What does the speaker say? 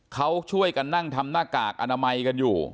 เขาช่วยกันนั่งทำหน้ากากอนามัยกันอยู่